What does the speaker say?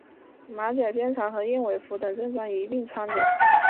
马甲经常和燕尾服等正装一并穿着。